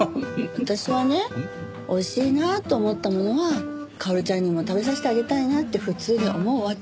私はね美味しいなと思ったものは薫ちゃんにも食べさせてあげたいなって普通に思うわけ。